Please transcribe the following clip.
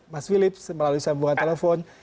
mas philips melalui sambungan telepon